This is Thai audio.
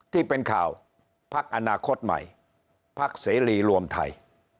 ที่เป็นข่าวพักอนาคตใหม่พักเสรีรวมไทย